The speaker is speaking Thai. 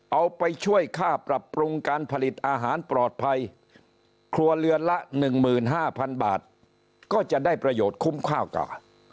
เอาไปช่วยค่าปรับปรุงการผลิตอาหารปลอดภัยครัวเรือนละ๑๕๐๐๐บาทก็จะได้ประโยชน์คุ้มค่ากว่า